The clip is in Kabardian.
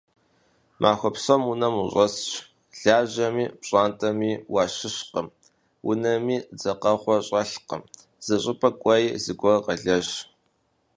Махуэ псом унэм ущӀэсщ, лажьэми пщӀантӀэми уащыщкъым, унэми дзэкъэгъуэ щӀэлъкым, зыщӀыпӀэ кӀуэи, зыгуэр къэлэжь.